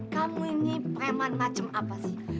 kamu ini preman macam apa sih